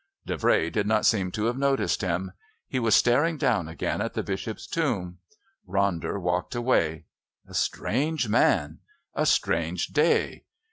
Davray did not seem to have noticed him; he was staring down again at the Bishop's Tomb. Ronder walked away. A strange man! A strange day!